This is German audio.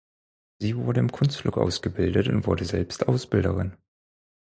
Sie wurde im Kunstflug ausgebildet und wurde selbst Ausbilderin.